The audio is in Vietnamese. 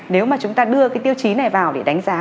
nếu mà chúng ta đưa cái tiêu chí này vào để đánh giá